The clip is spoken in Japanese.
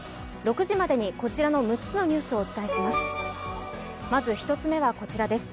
６時までにこちらの６つのニュースをお伝えします。